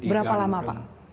berapa lama pak